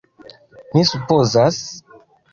Mi supozas?